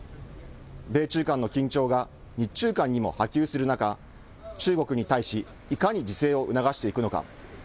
米中間の緊張が日中間にも波及する中、中国に対し、いかに自制を促していくのか。